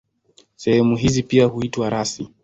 Sehemu hizi pia huitwa rasi.